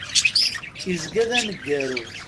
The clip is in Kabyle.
Izga d aneggaru.